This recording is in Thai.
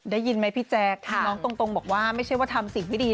ได้ยินไหมพี่แจ๊คน้องตรงบอกว่าไม่ใช่ว่าทำสิ่งไม่ดี